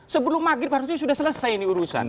sebelum maghrib harusnya sudah selesai ini urusan